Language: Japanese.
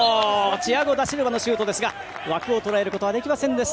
チアゴ・ダシルバのシュートですが枠をとらえることはできません。